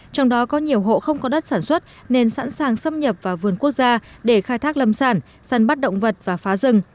trong đó có nhiều hộ không có đất sản xuất nên sẵn sàng xâm nhập vào vườn quốc gia để khai thác lâm sản săn bắt động vật và phá rừng